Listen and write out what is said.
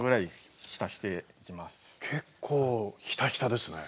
結構ひたひたですね。